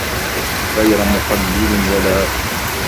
غَيْرَ مُقَلِّلٍ وَلَا